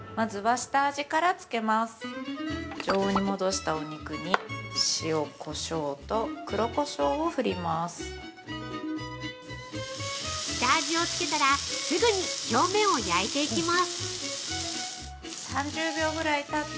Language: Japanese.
◆下味をつけたらすぐに表面を焼いていきます。